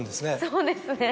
そうですね。